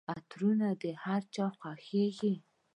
عطرونه د هرچا خوښیږي.